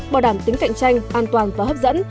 bảo đảm tính cạnh tranh an toàn và hấp dẫn